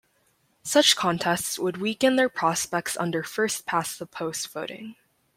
Such contests would weaken their prospects under first past the post voting.